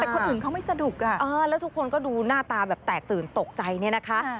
แต่คนอื่นเขาไม่สนุกแล้วทุกคนก็ดูหน้าตาแบบแตกตื่นตกใจเนี่ยนะคะ